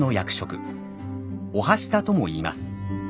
「御半下」とも言います。